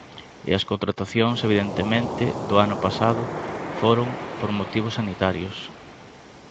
E as contratacións, evidentemente, do ano pasado foron por motivos sanitarios.